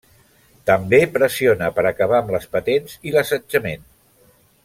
També pressiona per acabar amb les patents i l'assetjament.